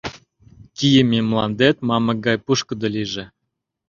Кийыме мландет мамык гай пушкыдо лийже!..